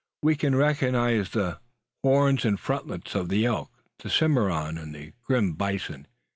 We can recognise the horns and frontlets of the elk, the cimmaron, and the grim bison.